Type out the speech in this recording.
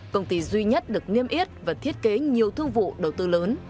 công ty duy nhất được niêm yết và thiết kế nhiều thương vụ đầu tư lớn